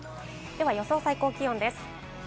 予想最高気温です。